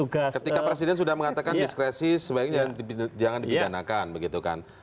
ketika presiden sudah mengatakan diskresi sebaiknya jangan dibidanakan begitu kan